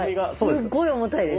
すっごい重たいです。